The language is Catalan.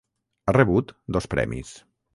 Ha rebut dos premis.